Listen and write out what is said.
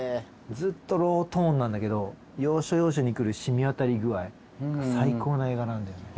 ずっとロートーンなんだけど要所要所に来る染み渡り具合が最高の映画なんだよね。